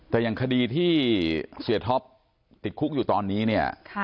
แต่อย่างคดีที่เสียท็อปติดคุกอยู่ตอนนี้เนี่ย